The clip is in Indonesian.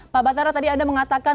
pak batara tadi anda mengatakan